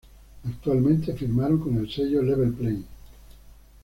Actualmente firmaron con el sello Level Plane.